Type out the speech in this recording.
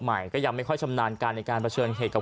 ใหม่ก็ยังไม่ค่อยชำนาญการในการเผชิญเหตุกับ